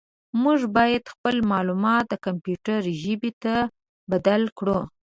موږ باید خپل معلومات د کمپیوټر ژبې ته بدل کړو.